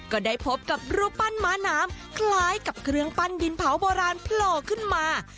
ก็ได้พบกับรูปปั้นม้าน้ำคล้ายกับเครื่องปั้นดินเผาโบราณโผล่ขึ้นมา